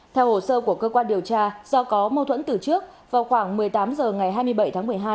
theo hồ sơ của cơ quan điều tra do có mâu thuẫn từ trước vào khoảng một mươi tám h ngày hai mươi bảy tháng một mươi hai